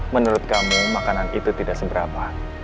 menurut kami makanan itu tidak seberapa